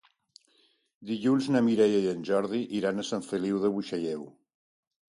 Dilluns na Mireia i en Jordi iran a Sant Feliu de Buixalleu.